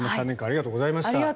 ３年間ありがとうございました。